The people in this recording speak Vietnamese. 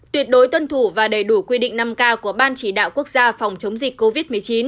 tuyệt đối tuân thủ và đầy đủ quy định năm k của ban chỉ đạo quốc gia phòng chống dịch covid một mươi chín